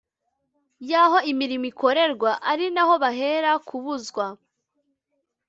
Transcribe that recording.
y aho imirimo ikorerwa ari naho bahera kubuzwa